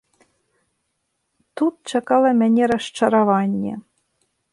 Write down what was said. Тут чакала мяне расчараванне.